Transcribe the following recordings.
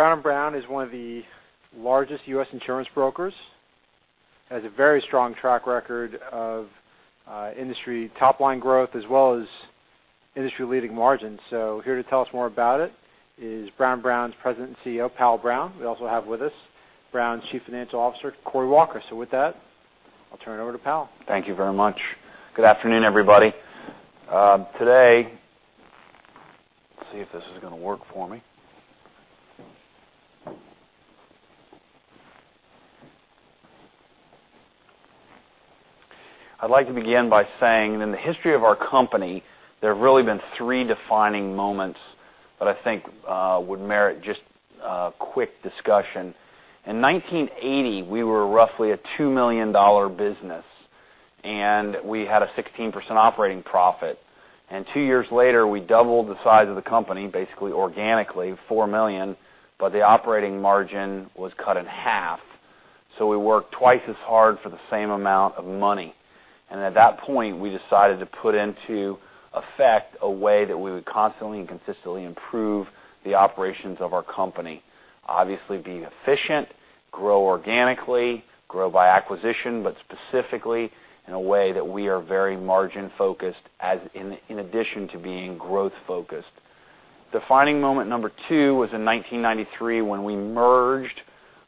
Brown & Brown is one of the largest U.S. insurance brokers. Has a very strong track record of industry top-line growth as well as industry-leading margins. Here to tell us more about it is Brown & Brown's President and CEO, Powell Brown. We also have with us Brown's Chief Financial Officer, Cory Walker. With that, I'll turn it over to Powell. Thank you very much. Good afternoon, everybody. Today. See if this is going to work for me. I'd like to begin by saying in the history of our company, there have really been three defining moments that I think would merit just a quick discussion. In 1980, we were roughly a $2 million business, and we had a 16% operating profit. Two years later, we doubled the size of the company, basically organically, $4 million, but the operating margin was cut in half. We worked twice as hard for the same amount of money. At that point, we decided to put into effect a way that we would constantly and consistently improve the operations of our company. Obviously, being efficient, grow organically, grow by acquisition, but specifically in a way that we are very margin-focused, in addition to being growth-focused. Defining moment number 2 was in 1993 when we merged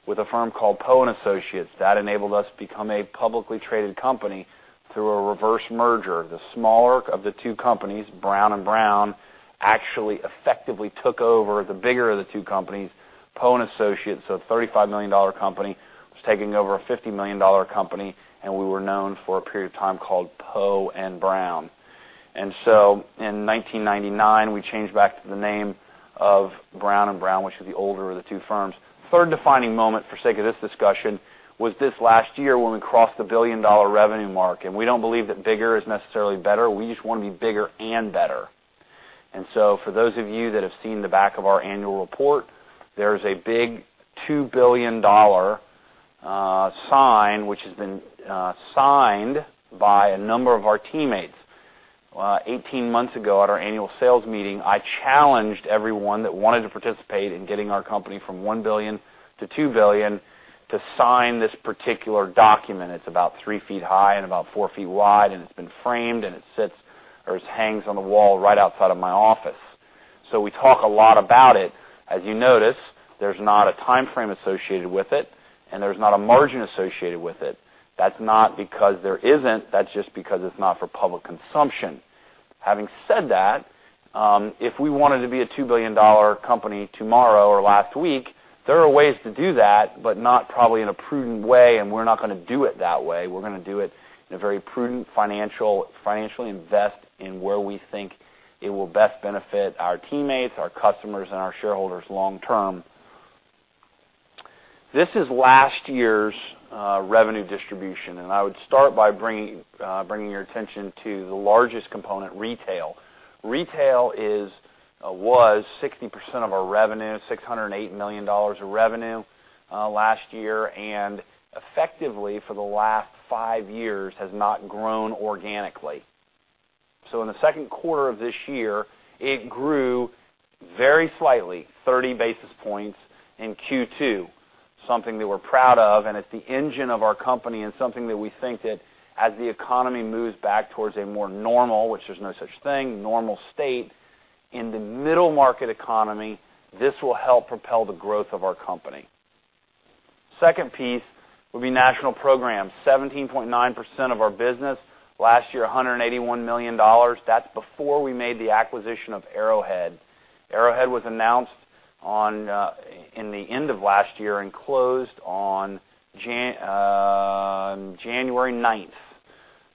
with a firm called Poe & Associates. That enabled us to become a publicly traded company through a reverse merger. The smaller of the two companies, Brown & Brown, actually effectively took over the bigger of the two companies, Poe & Associates, so a $35 million company was taking over a $50 million company, and we were known for a period of time called Poe & Brown. In 1999, we changed back to the name of Brown & Brown, which was the older of the two firms. Third defining moment, for sake of this discussion, was this last year when we crossed the billion-dollar revenue mark, and we don't believe that bigger is necessarily better. We just want to be bigger and better. For those of you that have seen the back of our annual report, there's a big $2 billion sign which has been signed by a number of our teammates. 18 months ago at our annual sales meeting, I challenged everyone that wanted to participate in getting our company from $1 billion to $2 billion to sign this particular document. It's about three feet high and about four feet wide, and it's been framed, and it hangs on the wall right outside of my office. We talk a lot about it. As you notice, there's not a timeframe associated with it, and there's not a margin associated with it. That's not because there isn't, that's just because it's not for public consumption. Having said that, if we wanted to be a $2 billion company tomorrow or last week, there are ways to do that, but not probably in a prudent way, and we're not going to do it that way. We're going to do it in a very prudent financial, financially invest in where we think it will best benefit our teammates, our customers, and our shareholders long term. This is last year's revenue distribution. I would start by bringing your attention to the largest component, retail. Retail was 60% of our revenue, $608 million of revenue last year, and effectively for the last five years, has not grown organically. In the second quarter of this year, it grew very slightly, 30 basis points in Q2. Something that we're proud of. It's the engine of our company and something that we think that as the economy moves back towards a more normal, which there's no such thing, normal state. In the middle market economy, this will help propel the growth of our company. Second piece will be national programs. 17.9% of our business. Last year, $181 million. That's before we made the acquisition of Arrowhead. Arrowhead was announced in the end of last year and closed on January 9th.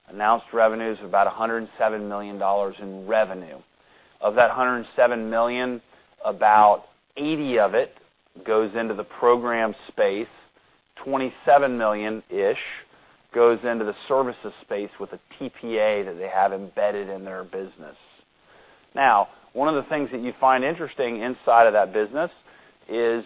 Announced revenues of about $107 million in revenue. Of that $107 million, about $80 million of it goes into the program space, $27 million-ish goes into the services space with a TPA that they have embedded in their business. One of the things that you find interesting inside of that business is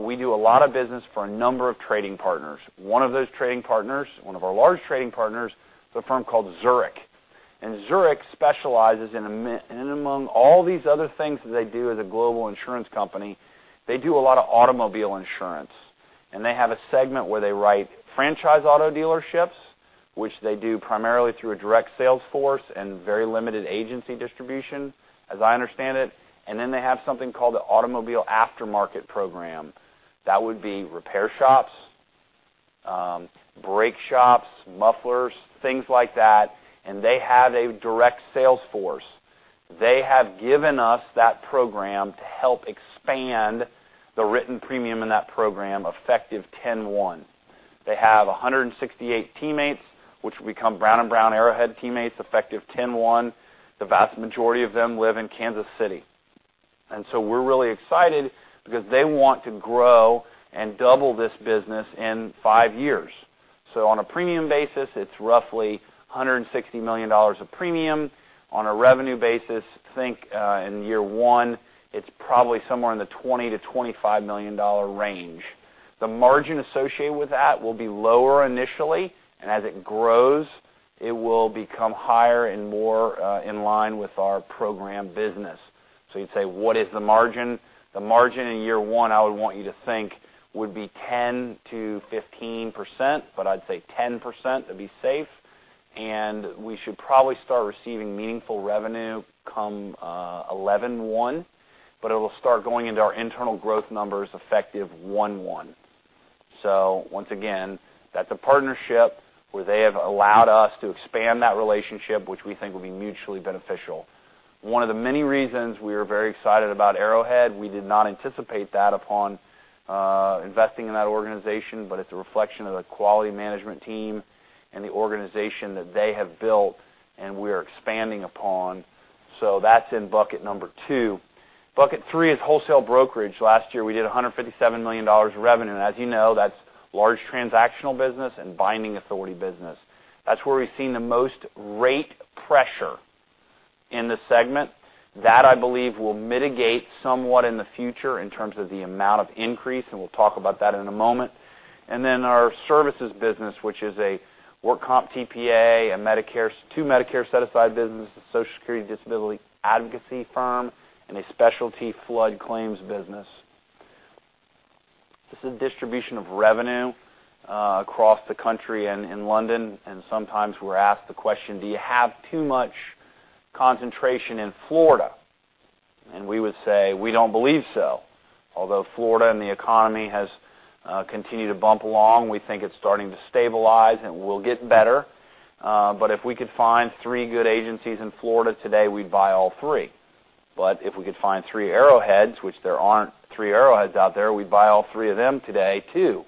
we do a lot of business for a number of trading partners. One of those trading partners, one of our large trading partners, is a firm called Zurich. Zurich specializes in, and among all these other things that they do as a global insurance company, they do a lot of automobile insurance. They have a segment where they write franchise auto dealerships, which they do primarily through a direct sales force and very limited agency distribution, as I understand it. They have something called the Automotive Aftermarket Program. That would be repair shops, brake shops, mufflers, things like that, and they have a direct sales force. They have given us that program to help expand the written premium in that program effective 10/1. They have 168 teammates, which will become Brown & Brown Arrowhead teammates effective 10/1. The vast majority of them live in Kansas City. We're really excited because they want to grow and double this business in five years. On a premium basis, it's roughly $160 million of premium. On a revenue basis, think in year one, it's probably somewhere in the $20 million-$25 million range. The margin associated with that will be lower initially, and as it grows, it will become higher and more in line with our program business. You'd say, what is the margin? The margin in year one, I would want you to think, would be 10%-15%, but I'd say 10% to be safe. We should probably start receiving meaningful revenue come 11/1, but it will start going into our internal growth numbers effective 1/1. Once again, that's a partnership where they have allowed us to expand that relationship, which we think will be mutually beneficial. One of the many reasons we are very excited about Arrowhead, we did not anticipate that upon investing in that organization, but it's a reflection of the quality management team and the organization that they have built, and we are expanding upon. That's in bucket number two. Bucket three is wholesale brokerage. Last year, we did $157 million of revenue. As you know, that's large transactional business and binding authority business. That's where we've seen the most rate pressure in the segment. That, I believe, will mitigate somewhat in the future in terms of the amount of increase, and we'll talk about that in a moment. Our services business, which is a work comp TPA, two Medicare set-aside businesses, a Social Security disability advocacy firm, and a specialty flood claims business. This is distribution of revenue across the country and in London. Sometimes we're asked the question, do you have too much concentration in Florida? We would say, we don't believe so. Although Florida and the economy has continued to bump along, we think it's starting to stabilize, and it will get better. If we could find three good agencies in Florida today, we'd buy all three. If we could find three Arrowheads, which there aren't three Arrowheads out there, we'd buy all three of them today, too.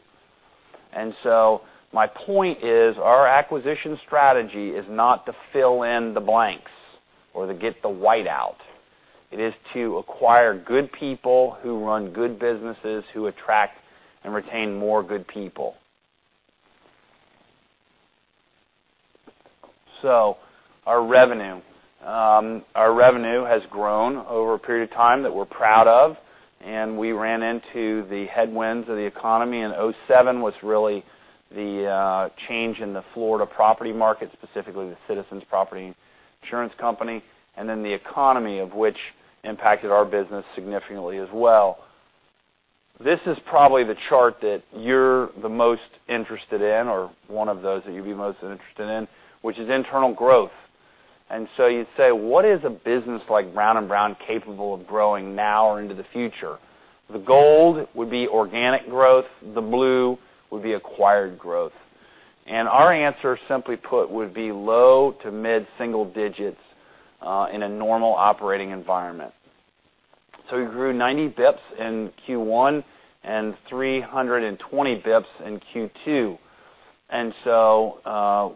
My point is our acquisition strategy is not to fill in the blanks, or to get the white out. It is to acquire good people who run good businesses who attract and retain more good people. Our revenue. Our revenue has grown over a period of time that we're proud of. We ran into the headwinds of the economy. 2007 was really the change in the Florida property market, specifically the Citizens Property Insurance Corporation. The economy, of which impacted our business significantly as well. This is probably the chart that you're the most interested in, or one of those that you'd be most interested in, which is internal growth. You'd say, what is a business like Brown & Brown capable of growing now or into the future? The gold would be organic growth. The blue would be acquired growth. Our answer, simply put, would be low to mid-single digits in a normal operating environment. We grew 90 bps in Q1 and 320 bps in Q2.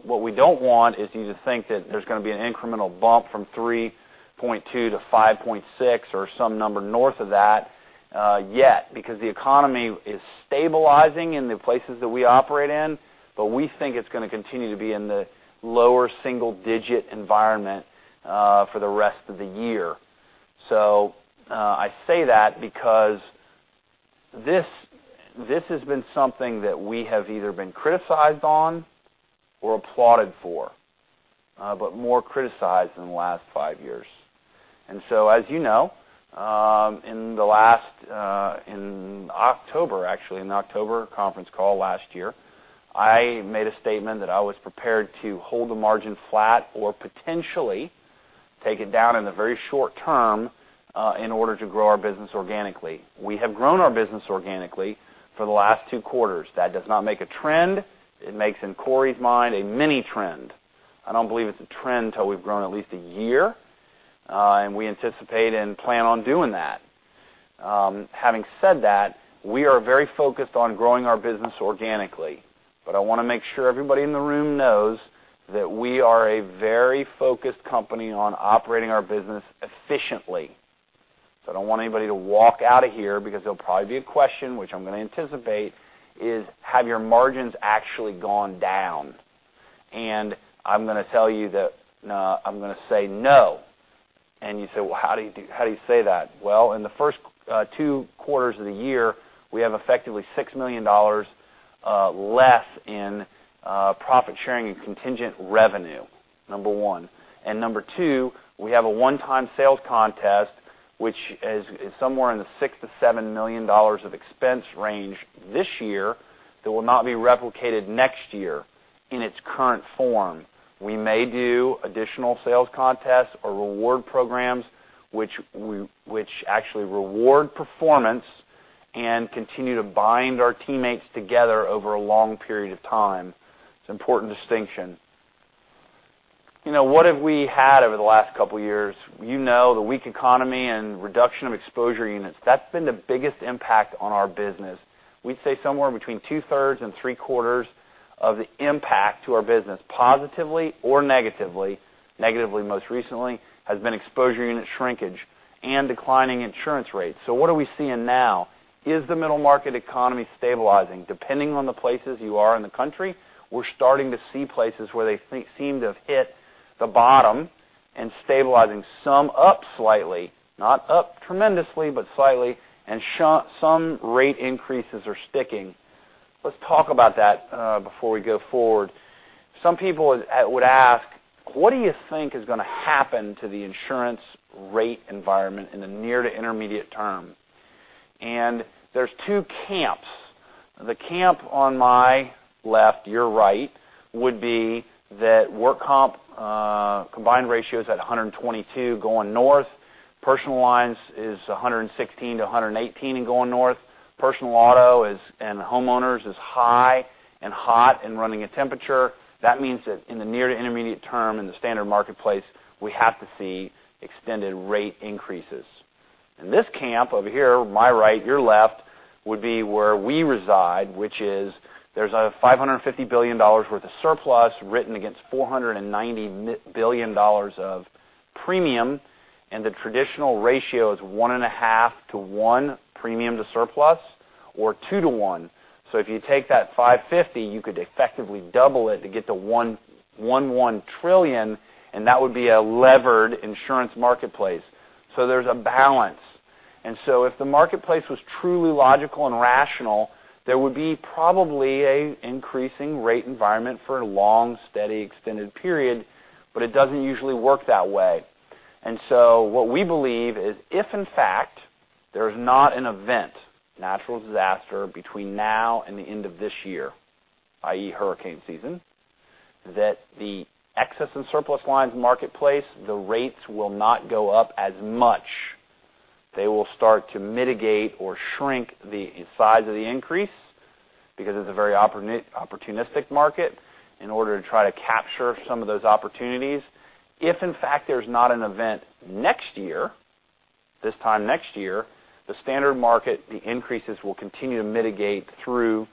What we don't want is you to think that there's going to be an incremental bump from 3.2 to 5.6 or some number north of that yet because the economy is stabilizing in the places that we operate in, but we think it's going to continue to be in the lower single-digit environment for the rest of the year. I say that because this has been something that we have either been criticized on or applauded for, but more criticized in the last five years. As you know, in October, actually, in the October conference call last year, I made a statement that I was prepared to hold the margin flat or potentially take it down in the very short term in order to grow our business organically. We have grown our business organically for the last two quarters. That does not make a trend. It makes, in Cory's mind, a mini trend. I don't believe it's a trend till we've grown at least a year, and we anticipate and plan on doing that. Having said that, we are very focused on growing our business organically, but I want to make sure everybody in the room knows that we are a very focused company on operating our business efficiently. I don't want anybody to walk out of here because there will probably be a question which I am going to anticipate is, have your margins actually gone down? I am going to tell you that, no, I am going to say no. You say, well, how do you say that? In the first two quarters of the year, we have effectively $6 million less in profit sharing and contingent revenue, number one. Number two, we have a one-time sales contest, which is somewhere in the $6 million-$7 million of expense range this year that will not be replicated next year in its current form. We may do additional sales contests or reward programs, which actually reward performance and continue to bind our teammates together over a long period of time. It's an important distinction. What have we had over the last couple of years? You know the weak economy and reduction of exposure units. That's been the biggest impact on our business. We would say somewhere between two-thirds and three-quarters of the impact to our business, positively or negatively most recently, has been exposure unit shrinkage and declining insurance rates. What are we seeing now? Is the middle market economy stabilizing? Depending on the places you are in the country, we are starting to see places where they seem to have hit the bottom, stabilizing some up slightly, not up tremendously, but slightly, and some rate increases are sticking. Let's talk about that before we go forward. Some people would ask, "What do you think is going to happen to the insurance rate environment in the near to intermediate term?" There is two camps. The camp on my left, your right, would be that work comp combined ratio is at 122 going north. Personal lines is 116-118 and going north. Personal auto and homeowners is high and hot and running a temperature. That means that in the near to intermediate term, in the standard marketplace, we have to see extended rate increases. This camp over here, my right, your left, would be where we reside, which is, there is a $550 billion worth of surplus written against $490 billion of premium, and the traditional ratio is one and a half to one premium to surplus, or two to one. If you take that 550, you could effectively double it to get to 1.1 trillion, and that would be a levered insurance marketplace. There is a balance. If in fact there is not an event, natural disaster between now and the end of this year, i.e. hurricane season, that the excess and surplus lines marketplace, the rates will not go up as much. They will start to mitigate or shrink the size of the increase because it's a very opportunistic market in order to try to capture some of those opportunities. If in fact there's not an event next year, this time next year, the standard market, the increases will continue to mitigate through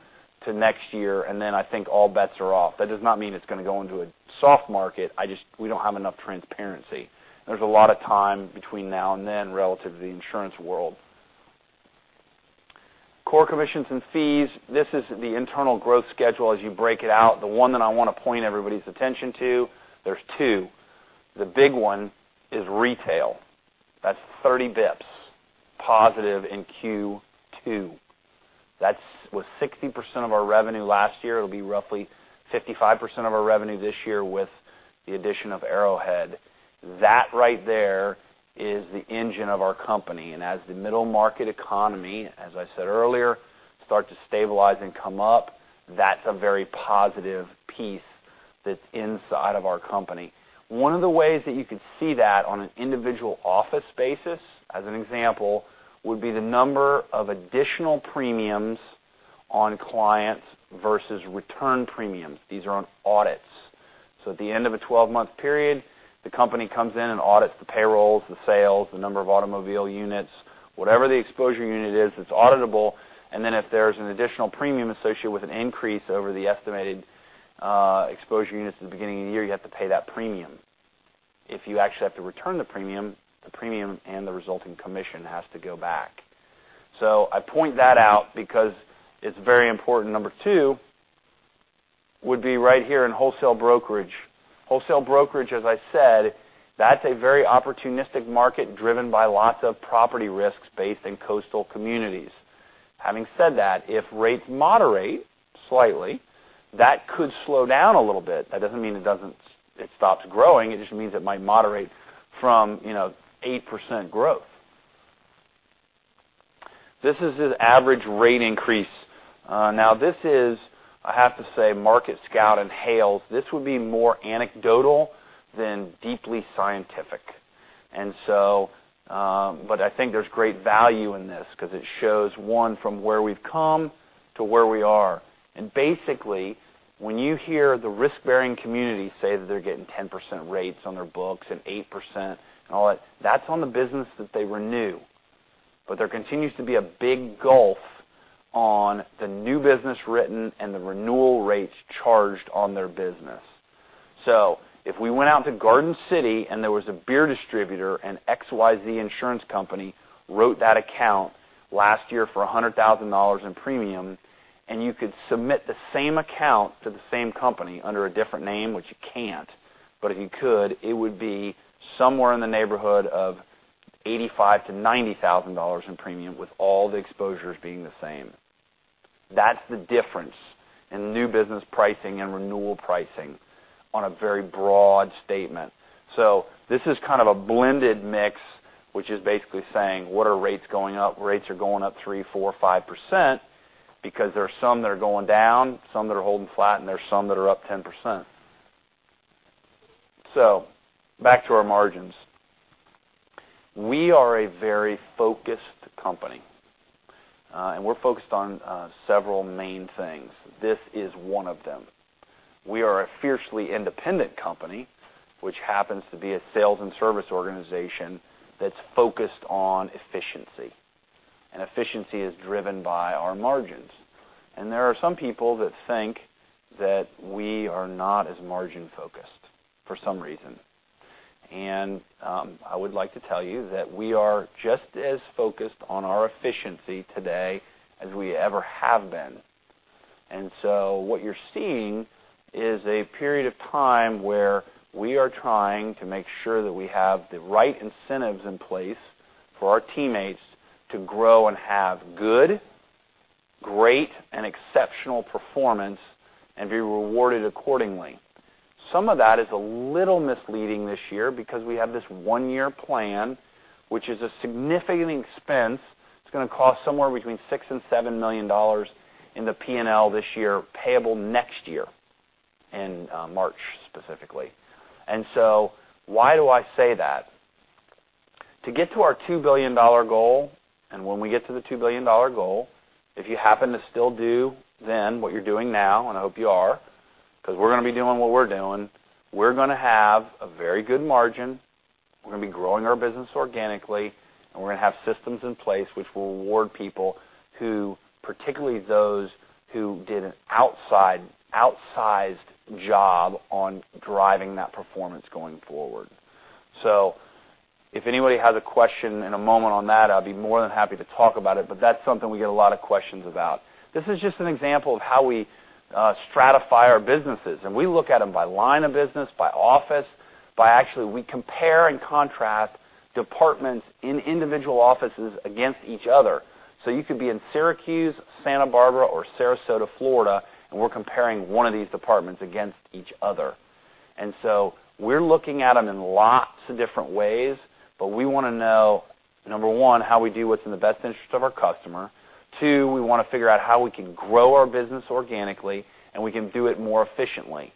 to next year, then I think all bets are off. That does not mean it's going to go into a soft market. We don't have enough transparency. There's a lot of time between now and then relative to the insurance world. Core commissions and fees. This is the internal growth schedule as you break it out. The one that I want to point everybody's attention to, there's two. The big one is retail. That's 30 bps positive in Q2. That was 60% of our revenue last year. It'll be roughly 55% of our revenue this year with the addition of Arrowhead. That right there is the engine of our company. As the middle market economy, as I said earlier, starts to stabilize and come up, that's a very positive piece that's inside of our company. One of the ways that you could see that on an individual office basis, as an example, would be the number of additional premiums on clients versus return premiums. These are on audits. At the end of a 12-month period, the company comes in and audits the payrolls, the sales, the number of automobile units, whatever the exposure unit is, it's auditable. Then if there's an additional premium associated with an increase over the estimated exposure units at the beginning of the year, you have to pay that premium. If you actually have to return the premium, the premium and the resulting commission has to go back. I point that out because it's very important. Number two would be right here in wholesale brokerage. Wholesale brokerage, as I said, that's a very opportunistic market driven by lots of property risks based in coastal communities. Having said that, if rates moderate slightly, that could slow down a little bit. That doesn't mean it stops growing. It just means it might moderate from 8% growth. This is the average rate increase. Now this is, I have to say, MarketScout and Hales. This would be more anecdotal than deeply scientific. I think there's great value in this because it shows, one, from where we've come to where we are. Basically, when you hear the risk-bearing community say that they're getting 10% rates on their books and 8% and all that's on the business that they renew. There continues to be a big gulf on the new business written and the renewal rates charged on their business. If we went out to Garden City and there was a beer distributor and XYZ Insurance Company wrote that account last year for $100,000 in premium, and you could submit the same account to the same company under a different name, which you can't, but if you could, it would be somewhere in the neighborhood of $85,000-$90,000 in premium with all the exposures being the same. That's the difference in new business pricing and renewal pricing on a very broad statement. This is kind of a blended mix, which is basically saying, what are rates going up? Rates are going up 3%, 4%, 5%, because there are some that are going down, some that are holding flat, and there are some that are up 10%. Back to our margins. We are a very focused company. We're focused on several main things. This is one of them. We are a fiercely independent company, which happens to be a sales and service organization that's focused on efficiency. Efficiency is driven by our margins. There are some people that think that we are not as margin focused for some reason. I would like to tell you that we are just as focused on our efficiency today as we ever have been. What you're seeing is a period of time where we are trying to make sure that we have the right incentives in place for our teammates to grow and have good, great, and exceptional performance and be rewarded accordingly. Some of that is a little misleading this year because we have this one-year plan, which is a significant expense. It's going to cost somewhere between $6 million and $7 million in the P&L this year, payable next year in March, specifically. Why do I say that? To get to our $2 billion goal. When we get to the $2 billion goal, if you happen to still do then what you're doing now, and I hope you are, because we're going to be doing what we're doing, we're going to have a very good margin, we're going to be growing our business organically, and we're going to have systems in place which will reward people who, particularly those who did an outsized job on driving that performance going forward. If anybody has a question in a moment on that, I'll be more than happy to talk about it, but that's something we get a lot of questions about. This is just an example of how we stratify our businesses. We look at them by line of business, by office, by actually we compare and contrast departments in individual offices against each other. You could be in Syracuse, Santa Barbara, or Sarasota, Florida. We're comparing one of these departments against each other. We're looking at them in lots of different ways, but we want to know, number one, how we do what's in the best interest of our customer. Two, we want to figure out how we can grow our business organically and we can do it more efficiently.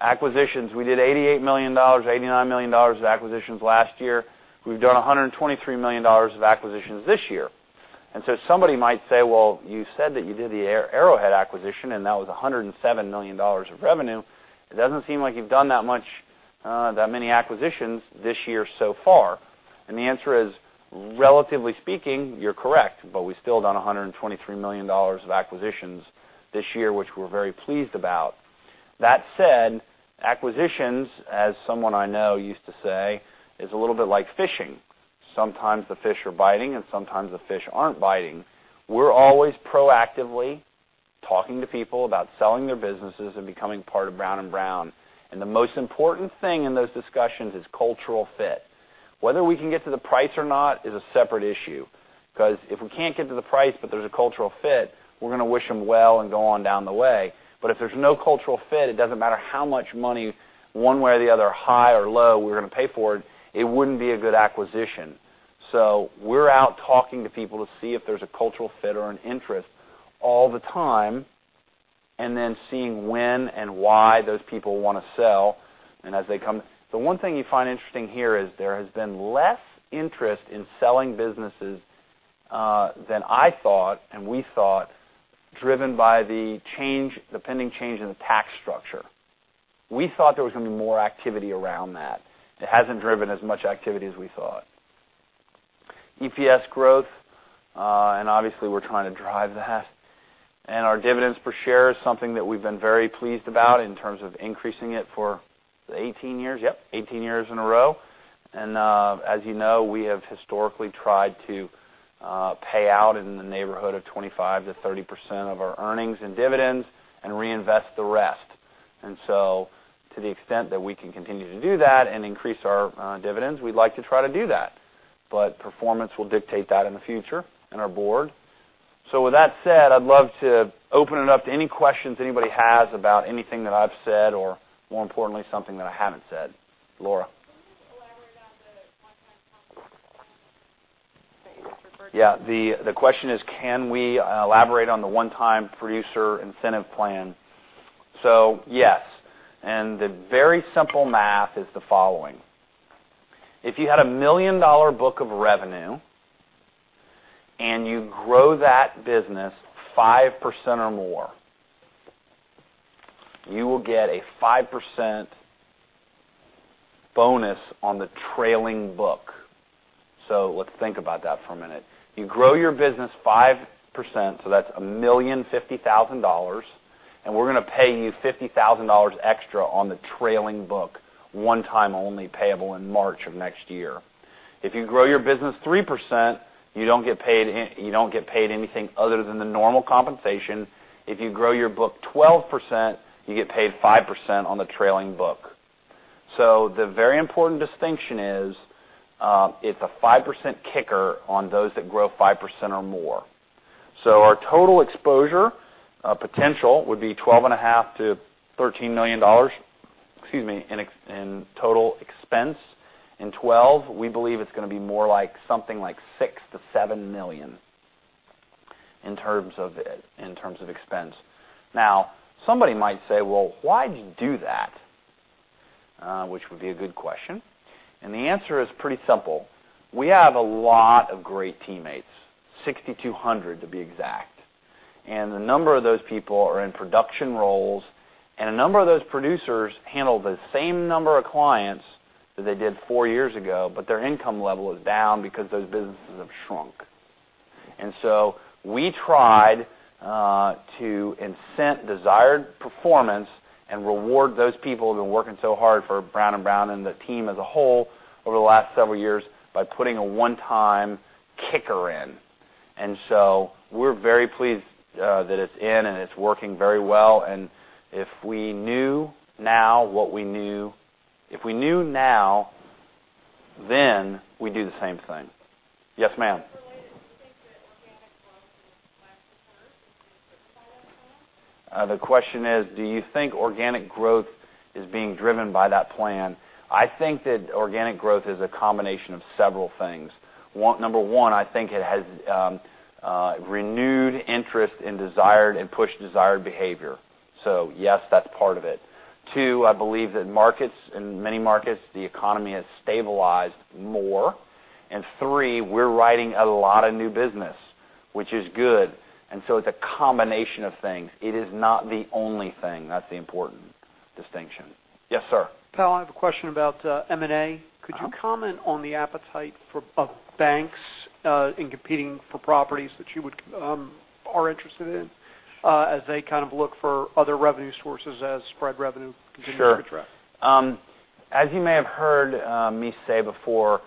Acquisitions. We did $88 million, $89 million of acquisitions last year. We've done $123 million of acquisitions this year. Somebody might say, "Well, you said that you did the Arrowhead acquisition, and that was $107 million of revenue. It doesn't seem like you've done that many acquisitions this year so far." The answer is, relatively speaking, you're correct, but we still done $123 million of acquisitions this year, which we're very pleased about. That said, acquisitions, as someone I know used to say, is a little bit like fishing. Sometimes the fish are biting, and sometimes the fish aren't biting. We're always proactively talking to people about selling their businesses and becoming part of Brown & Brown, and the most important thing in those discussions is cultural fit. Whether we can get to the price or not is a separate issue, because if we can't get to the price but there's a cultural fit, we're going to wish them well and go on down the way. If there's no cultural fit, it doesn't matter how much money one way or the other, high or low we're going to pay for it wouldn't be a good acquisition. We're out talking to people to see if there's a cultural fit or an interest all the time, seeing when and why those people want to sell and as they come. The one thing you find interesting here is there has been less interest in selling businesses than I thought, and we thought, driven by the pending change in the tax structure. We thought there was going to be more activity around that. It hasn't driven as much activity as we thought. EPS growth, obviously we're trying to drive that. Our dividends per share is something that we've been very pleased about in terms of increasing it for 18 years. Yep, 18 years in a row. As you know, we have historically tried to pay out in the neighborhood of 25%-30% of our earnings in dividends and reinvest the rest. To the extent that we can continue to do that and increase our dividends, we'd like to try to do that. Performance will dictate that in the future, and our board. With that said, I'd love to open it up to any questions anybody has about anything that I've said or more importantly, something that I haven't said. Laura. Can you elaborate on the one-time that you just referred to? Yeah. The question is, can we elaborate on the one-time producer incentive plan? Yes, and the very simple math is the following. If you had a $1 million book of revenue and you grow that business 5% or more, you will get a 5% bonus on the trailing book. Let's think about that for a minute. You grow your business 5%, so that's $1,050,000, and we're going to pay you $50,000 extra on the trailing book, one time only, payable in March of next year. If you grow your business 3%, you don't get paid anything other than the normal compensation. If you grow your book 12%, you get paid 5% on the trailing book. The very important distinction is it's a 5% kicker on those that grow 5% or more. Our total exposure potential would be $12.5 million-$13 million, excuse me, in total expense. In 2012, we believe it's going to be more like something like $6 million-$7 million in terms of expense. Somebody might say, "Well, why'd you do that?" Which would be a good question, and the answer is pretty simple. We have a lot of great teammates, 6,200 to be exact, and a number of those people are in production roles, and a number of those producers handle the same number of clients that they did four years ago, but their income level is down because those businesses have shrunk. To incent desired performance and reward those people who've been working so hard for Brown & Brown and the team as a whole over the last several years by putting a one-time kicker in. We're very pleased that it's in, and it's working very well, and if we knew now, then we'd do the same thing. Yes, ma'am. Related. Do you think that organic growth is being driven by that plan? The question is, do you think organic growth is being driven by that plan? I think that organic growth is a combination of several things. Number one, I think it has renewed interest and pushed desired behavior. Yes, that's part of it. Two, I believe that in many markets, the economy has stabilized more. Three, we're writing a lot of new business, which is good. It's a combination of things. It is not the only thing. That's the important distinction. Yes, sir. Powell, I have a question about M&A. Could you comment on the appetite of banks in competing for properties that you are interested in, as they kind of look for other revenue sources as spread revenue continues to contract? Sure. As you may have heard me say before,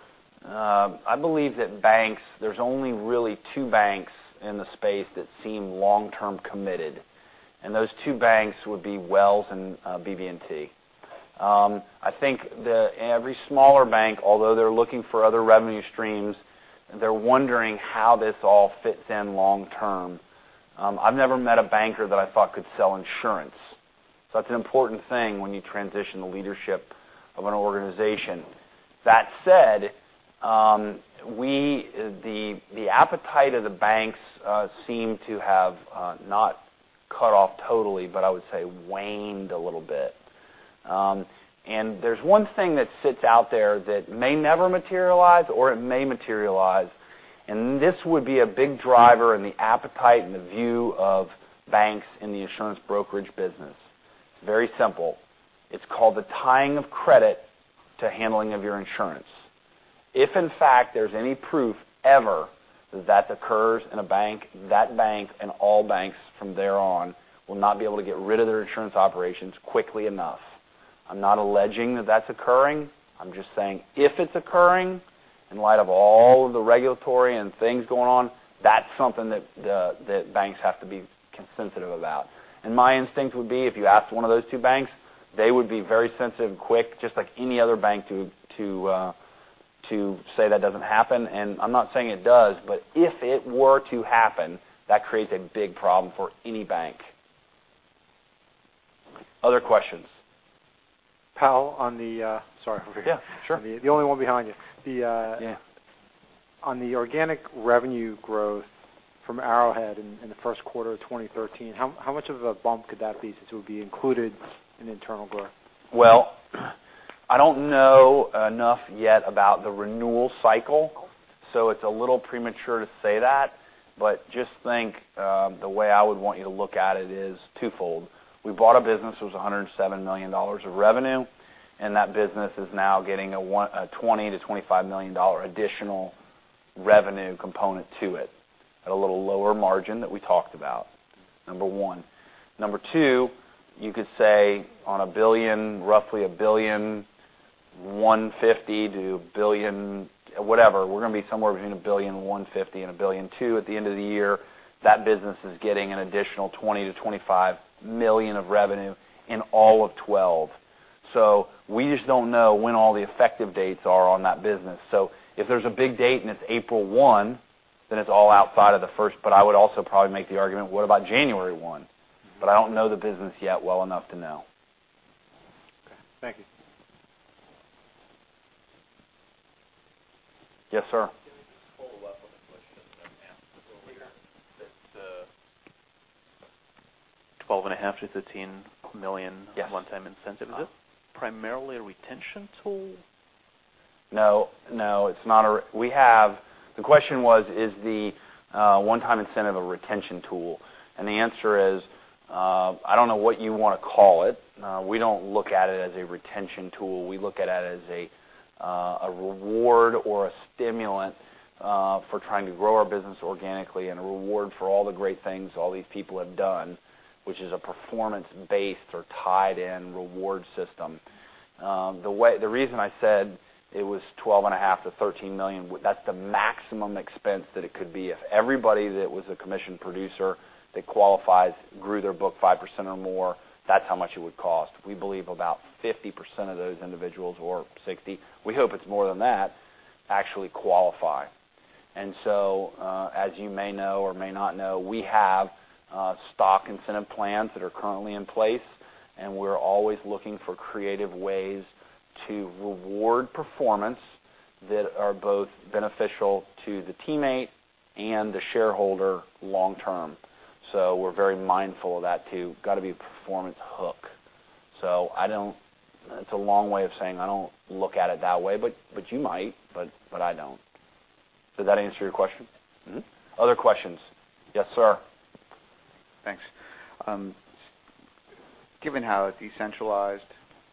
I believe that there's only really two banks in the space that seem long-term committed, and those two banks would be Wells and BB&T. I think every smaller bank, although they're looking for other revenue streams, they're wondering how this all fits in long term. I've never met a banker that I thought could sell insurance. That's an important thing when you transition the leadership of an organization. That said, the appetite of the banks seem to have, not cut off totally, but I would say waned a little bit. There's one thing that sits out there that may never materialize, or it may materialize, and this would be a big driver in the appetite and the view of banks in the insurance brokerage business. Very simple. It's called the tying of credit to handling of your insurance. If, in fact, there's any proof ever that that occurs in a bank, that bank and all banks from there on will not be able to get rid of their insurance operations quickly enough. I'm not alleging that that's occurring. I'm just saying if it's occurring, in light of all of the regulatory and things going on, that's something that banks have to be sensitive about. My instinct would be, if you asked one of those two banks, they would be very sensitive and quick, just like any other bank to say that doesn't happen. I'm not saying it does, but if it were to happen, that creates a big problem for any bank. Other questions? Powell, on the Sorry. Yeah, sure. I'm the only one behind you. Yeah. On the organic revenue growth from Arrowhead in the first quarter of 2013, how much of a bump could that be, since it would be included in internal growth? I don't know enough yet about the renewal cycle, it's a little premature to say that. Just think, the way I would want you to look at it is twofold. We bought a business. It was $107 million of revenue, and that business is now getting a $20 million-$25 million additional revenue component to it at a little lower margin that we talked about, number one. Number two, you could say on $1 billion, roughly $1.15 billion-$1 billion, whatever, we're going to be somewhere between $1.15 billion and $1.2 billion at the end of the year. That business is getting an additional $20 million-$25 million of revenue in all of 2012. We just don't know when all the effective dates are on that business. If there's a big date and it's April 1, it's all outside of the first. I would also probably make the argument, what about January 1? I don't know the business yet well enough to know. Okay. Thank you. Yes, sir. Can we just follow up on the question that I asked just earlier? That $12 and a half million-$13 million. Yes One-time incentive. Is this primarily a retention tool? No. The question was, is the one-time incentive a retention tool? The answer is, I don't know what you want to call it. We don't look at it as a retention tool. We look at it as a reward or a stimulant for trying to grow our business organically and a reward for all the great things all these people have done, which is a performance-based or tied-in reward system. The reason I said it was $12 and a half million-$13 million, that's the maximum expense that it could be. If everybody that was a commissioned producer that qualifies grew their book 5% or more, that's how much it would cost. We believe about 50% of those individuals, or 60%, we hope it's more than that, actually qualify. As you may know or may not know, we have stock incentive plans that are currently in place, and we're always looking for creative ways to reward performance that are both beneficial to the teammate and the shareholder long term. We're very mindful of that, too. Got to be a performance hook. That's a long way of saying I don't look at it that way, but you might, but I don't. Does that answer your question? Other questions? Yes, sir. Thanks. Given how decentralized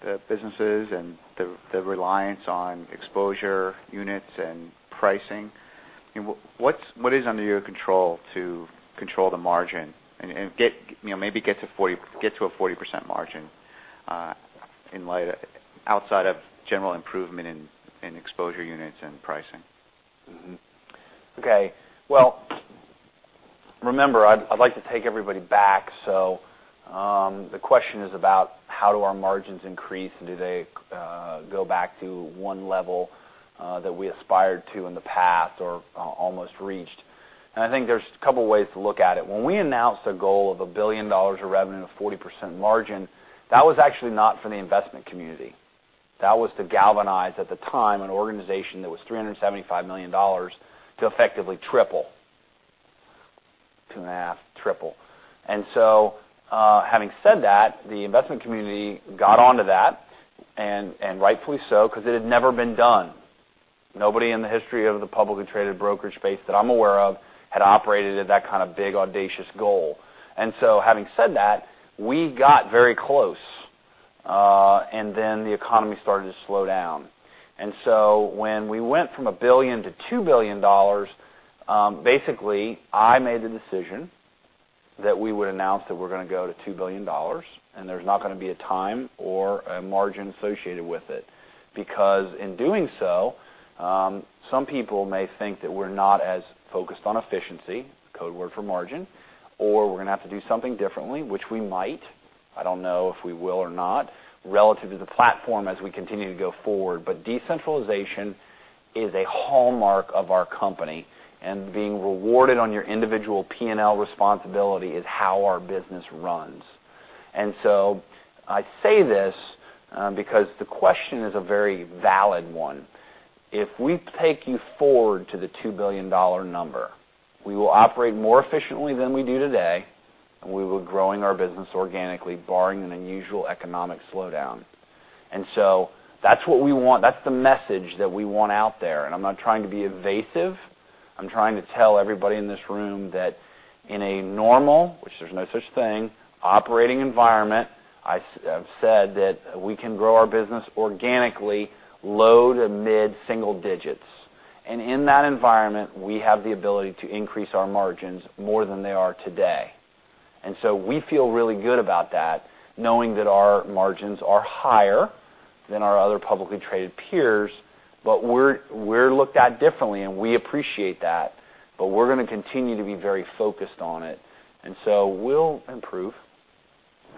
the businesses and the reliance on exposure units and pricing, what is under your control to control the margin and maybe get to a 40% margin outside of general improvement in exposure units and pricing? Okay. Well, remember, I'd like to take everybody back. The question is about how do our margins increase, and do they go back to one level that we aspired to in the past or almost reached? I think there's a couple ways to look at it. When we announced a goal of $1 billion of revenue and a 40% margin, that was actually not for the investment community. That was to galvanize, at the time, an organization that was $375 million to effectively triple. Two and a half, triple. Having said that, the investment community got onto that, and rightfully so, because it had never been done. Nobody in the history of the publicly traded brokerage space that I'm aware of had operated at that kind of big, audacious goal. Having said that, we got very close, and then the economy started to slow down. When we went from $1 billion to $2 billion, basically, I made the decision that we would announce that we're going to go to $2 billion, and there's not going to be a time or a margin associated with it. Because in doing so, some people may think that we're not as focused on efficiency, code word for margin, or we're going to have to do something differently, which we might. I don't know if we will or not, relative to the platform as we continue to go forward. Decentralization is a hallmark of our company, and being rewarded on your individual P&L responsibility is how our business runs. I say this because the question is a very valid one. If we take you forward to the $2 billion number, we will operate more efficiently than we do today, and we were growing our business organically, barring an unusual economic slowdown. That's what we want. That's the message that we want out there. I'm not trying to be evasive. I'm trying to tell everybody in this room that in a normal, which there's no such thing, operating environment, I've said that we can grow our business organically, low to mid-single digits. In that environment, we have the ability to increase our margins more than they are today. We feel really good about that, knowing that our margins are higher than our other publicly traded peers, but we're looked at differently, and we appreciate that. We're going to continue to be very focused on it. We'll improve.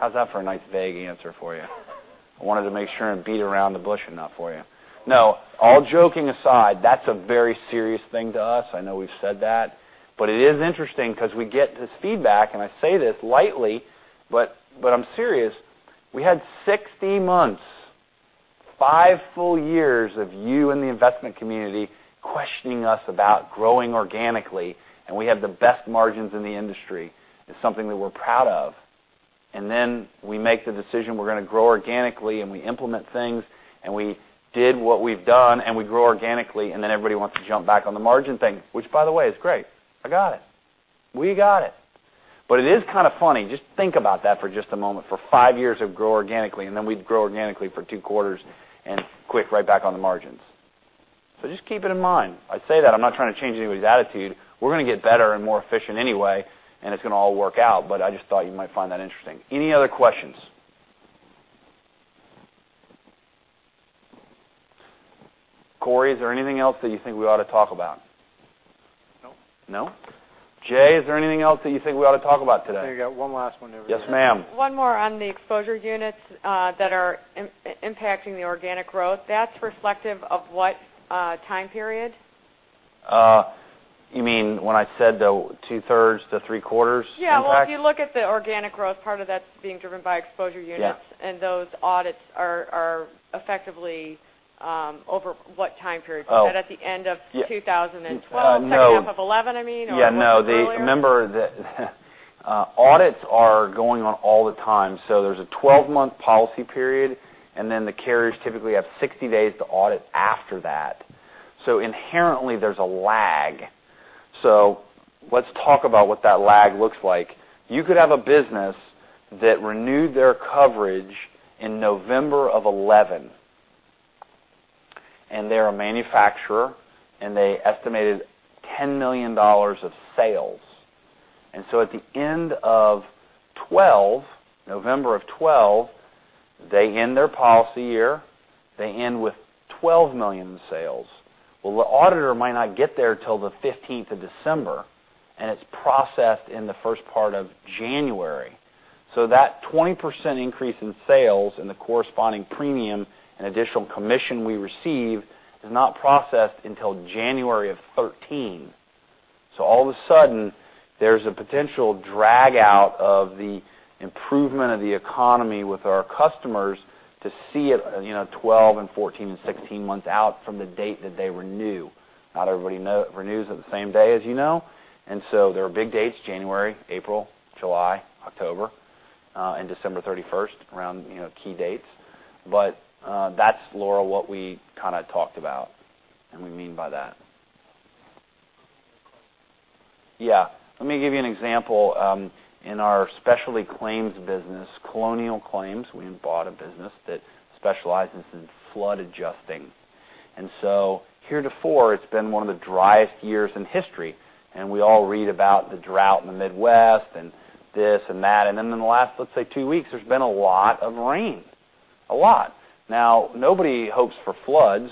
How's that for a nice, vague answer for you? I wanted to make sure and beat around the bush enough for you. No, all joking aside, that's a very serious thing to us. I know we've said that. It is interesting because we get this feedback, and I say this lightly, but I'm serious, we had 60 months, five full years of you in the investment community questioning us about growing organically, and we have the best margins in the industry. It's something that we're proud of. Then we make the decision we're going to grow organically, and we implement things, and we did what we've done, and we grow organically, and then everybody wants to jump back on the margin thing, which by the way, is great. I got it. We got it. It is kind of funny. Just think about that for just a moment, for five years of grow organically, and then we'd grow organically for two quarters and quick, right back on the margins. Just keep it in mind. I say that, I'm not trying to change anybody's attitude. We're going to get better and more efficient anyway, and it's going to all work out, but I just thought you might find that interesting. Any other questions? Cory, is there anything else that you think we ought to talk about? No. No? Jay, is there anything else that you think we ought to talk about today? I think we got one last one over here. Yes, ma'am. One more on the exposure units that are impacting the organic growth. That's reflective of what time period? You mean when I said the two-thirds to three-quarters impact? Yeah. Well, if you look at the organic growth, part of that's being driven by exposure units. Yeah. Those audits are effectively over what time period? Oh. Is that at the end of 2012? No. Second half of 2011, I mean, or a little bit earlier? Yeah, no. Remember that audits are going on all the time. There's a 12-month policy period, and then the carriers typically have 60 days to audit after that. Inherently, there's a lag. Let's talk about what that lag looks like. You could have a business that renewed their coverage in November of 2011, and they're a manufacturer, and they estimated $10 million of sales. At the end of 2012, November of 2012, they end their policy year. They end with $12 million in sales. The auditor might not get there till the 15th of December, and it's processed in the first part of January. That 20% increase in sales and the corresponding premium and additional commission we receive is not processed until January of 2013. All of a sudden, there's a potential drag out of the improvement of the economy with our customers to see it 12 and 14 and 16 months out from the date that they renew. Not everybody renews it the same day, as you know. There are big dates, January, April, July, October, and December 31st, around key dates. That's, Laura, what we kind of talked about and we mean by that. Yeah. Let me give you an example. In our specialty claims business, Colonial Claims, we bought a business that specializes in flood adjusting. Heretofore, it's been one of the driest years in history, and we all read about the drought in the Midwest and this and that. Then in the last, let's say two weeks, there's been a lot of rain. A lot. Now, nobody hopes for floods,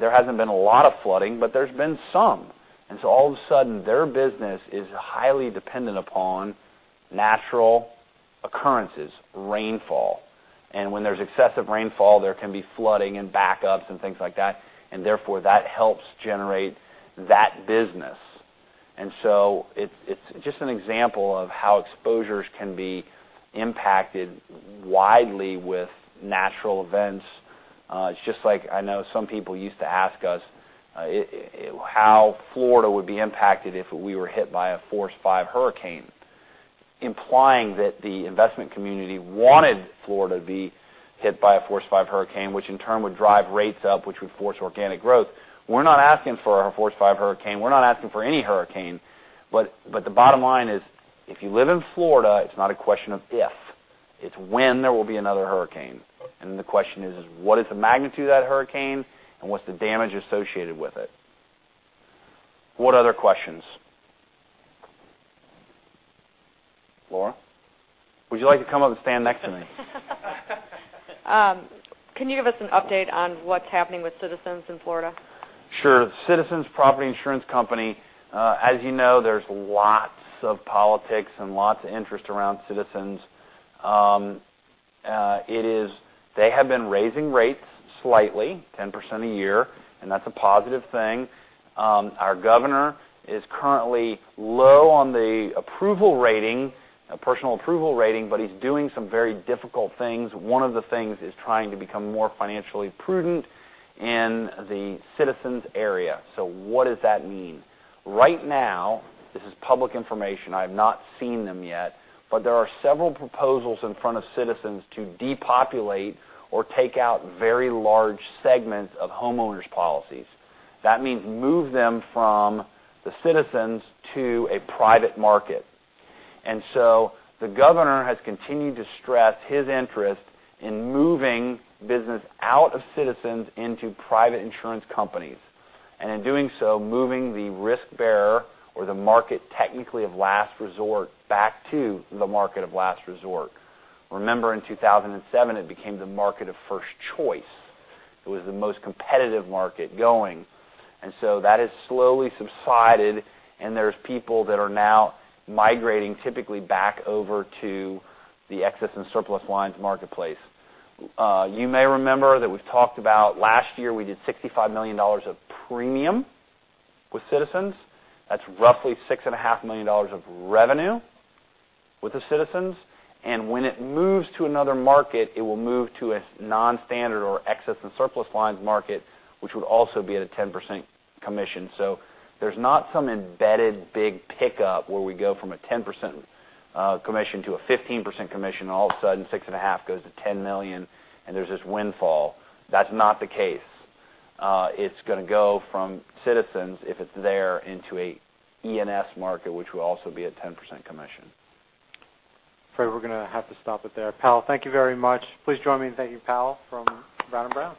there hasn't been a lot of flooding, but there's been some. All of a sudden, their business is highly dependent upon natural occurrences, rainfall. When there's excessive rainfall, there can be flooding and backups and things like that, therefore, that helps generate that business. It's just an example of how exposures can be impacted widely with natural events. It's just like, I know some people used to ask us how Florida would be impacted if we were hit by a Category Five hurricane, implying that the investment community wanted Florida to be hit by a Category Five hurricane, which in turn would drive rates up, which would force organic growth. We're not asking for a Category Five hurricane. We're not asking for any hurricane. The bottom line is, if you live in Florida, it's not a question of if. It's when there will be another hurricane. The question is, what is the magnitude of that hurricane, and what's the damage associated with it? What other questions? Laura? Would you like to come up and stand next to me? Can you give us an update on what's happening with Citizens in Florida? Sure. Citizens Property Insurance Corporation, as you know, there's lots of politics and lots of interest around Citizens. They have been raising rates slightly, 10% a year, That's a positive thing. Our governor is currently low on the approval rating, personal approval rating, He's doing some very difficult things. One of the things is trying to become more financially prudent in the Citizens area. What does that mean? Right now, this is public information. I have not seen them yet, There are several proposals in front of Citizens to depopulate or take out very large segments of homeowners' policies. That means move them from the Citizens to a private market. The governor has continued to stress his interest in moving business out of Citizens into private insurance companies, In doing so, moving the risk bearer or the market technically of last resort back to the market of last resort. Remember in 2007, it became the market of first choice. It was the most competitive market going. That has slowly subsided, and there's people that are now migrating typically back over to the excess and surplus lines marketplace. You may remember that we've talked about last year, we did $65 million of premium with Citizens. That's roughly $6.5 million of revenue with the Citizens. When it moves to another market, it will move to a non-standard or excess and surplus lines market, which would also be at a 10% commission. There's not some embedded big pickup where we go from a 10% commission to a 15% commission, and all of a sudden, $6.5 goes to $10 million and there's this windfall. That's not the case. It's going to go from Citizens, if it's there, into an E&S market, which will also be a 10% commission. Fred, we're going to have to stop it there. Powell, thank you very much. Please join me in thanking Powell from Brown & Brown.